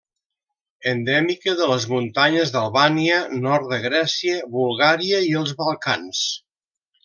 Endèmica de les muntanyes d'Albània, nord de Grècia, Bulgària i els Balcans.